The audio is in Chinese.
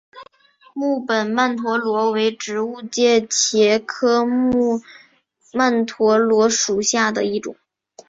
木本曼陀罗为植物界茄科木曼陀罗属下的一种。